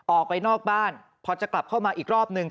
ออกไปนอกบ้านพอจะกลับเข้ามาอีกรอบนึง